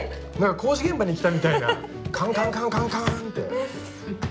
工事現場に来たみたいなカンカンカンカンカンッて。